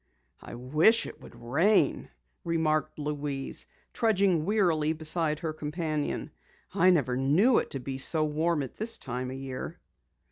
"I wish it would rain," remarked Louise, trudging wearily beside her companion. "I never knew it to be so warm at this time of year."